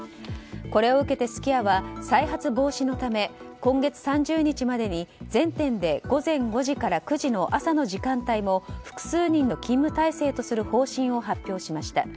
これを受けて、すき家は再発防止のため今月３０日までに、全店で午前５時から９時の朝の時間帯も複数人の勤務体制とする方針を発表しました。